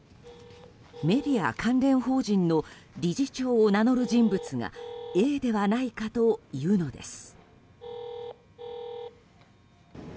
メディア関連法人の理事長を名乗る人物がＡではないかというのです。